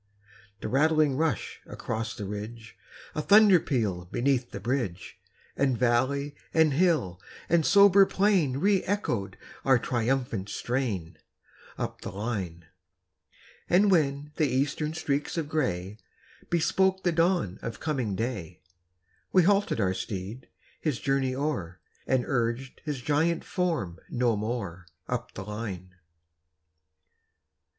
A rattling rush across the ridge, A thunder peal beneath the bridge; And valley and hill and sober plain Re echoed our triumphant strain, Up the line. And when the Eastern streaks of gray Bespoke the dawn of coming day, We halted our steed, his journey o'er, And urged his giant form no more, Up the line.